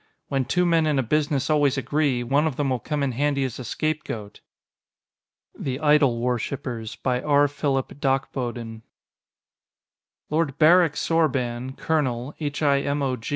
"When two men in a business always agree, one of them will come in handy as a scapegoat."_ THE IDLE WORSHIPERS by R. Phillip Dachboden Lord Barrick Sorban, Colonel, H.I.M.O.